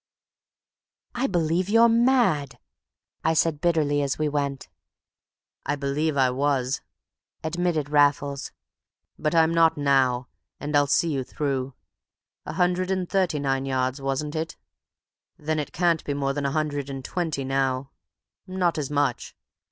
"I believe you're mad," I said bitterly as we went. "I believe I was," admitted Raffles; "but I'm not now, and I'll see you through. A hundred and thirty nine yards, wasn't it? Then it can't be more than a hundred and twenty now—not as much.